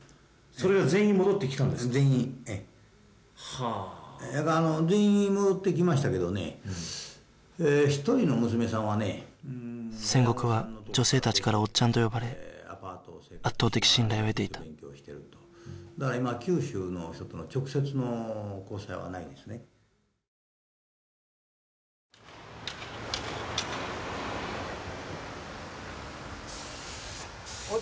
・それが全員戻ってきたんですか全員ええ・はあ全員戻ってきましたけどね１人の娘さんはねうん千石は女性達から「おっちゃん」と呼ばれ圧倒的信頼を得ていただから今九州の人との直接の交際はないですねおっ